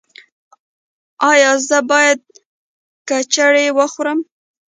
ایا زه باید کیچړي وخورم؟